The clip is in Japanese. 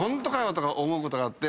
⁉とか思うことがあって。